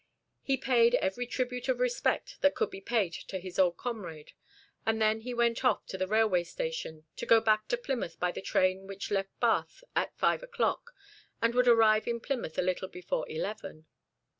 He paid every tribute of respect that could be paid to his old comrade and then he went off to the railway station, to go back to Plymouth by the train which left Bath at five o'clock, and would arrive in Plymouth a little before eleven.